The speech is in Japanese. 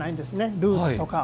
ルーツとか。